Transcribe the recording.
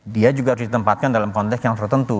dia juga harus ditempatkan dalam konteks yang tertentu